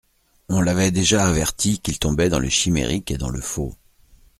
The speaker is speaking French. On l'avait déjà averti qu'il tombait dans le chimérique et dans le faux.